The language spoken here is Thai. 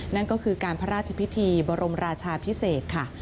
นั่นก็คือการพระราชพิธีบรมราชาพิเศษค่ะ